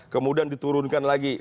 kemudian diturunkan lagi